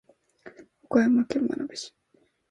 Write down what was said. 岡山県真庭市